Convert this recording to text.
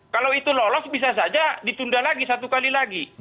kalau itu lolos bisa saja ditunda lagi satu kali lagi